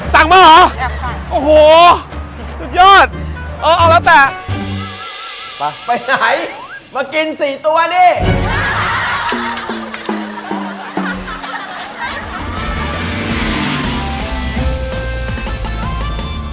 สั่งมาเหรอโอ้โหสุดยอดเอาแล้วแต่ไปไหนมากิน๔ตัวดิ